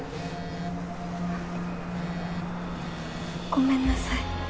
ごめんなさい。